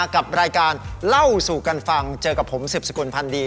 กับรายการเล่าสู่กันฟังเจอกับผมสืบสกุลพันธ์ดี